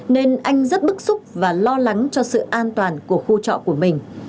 nên anh rất bức xúc và lo lắng cho sự an toàn của khu trọ của mình